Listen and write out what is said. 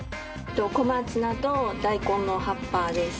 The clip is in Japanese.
小松菜とダイコンの葉っぱです。